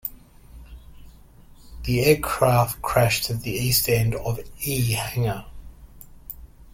The aircraft crashed at the east end of E Hangar.